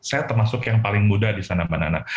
saya termasuk yang paling muda di sana mbak nana